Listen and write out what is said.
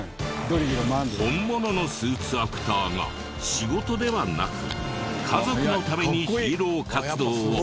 本物のスーツアクターが仕事ではなく家族のためにヒーロー活動を。